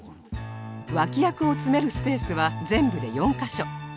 脇役を詰めるスペースは全部で４カ所